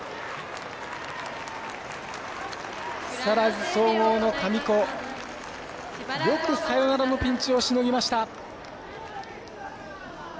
木更津総合の神子よくサヨナラのピンチをしのぎました。